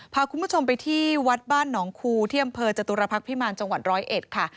พาคุณผู้ชมไปที่วัดบ้านหนองคูที่อำเภอจตุรพักษ์พิมารจังหวัดร้อยเอ็ดค่ะ